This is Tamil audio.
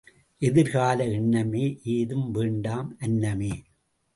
எதிர் கால எண்ணமே ஏதும் வேண்டாம் அன்னமே!